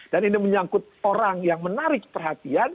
dan ini menyangkut orang yang menarik perhatian